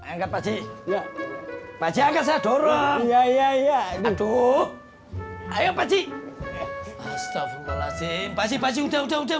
enggak pasti ya aja ke dorong iya aduh ayo pakcik astagfirullahaladzim pasti pasti udah